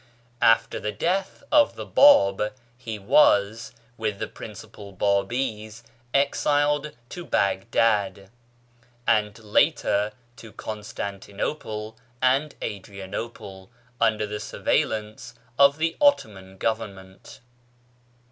After the death of the Bab he was, with the principal Babis, exiled to Baghdad, and later to Constantinople and Adrianople, under the surveillance of the Ottoman Government.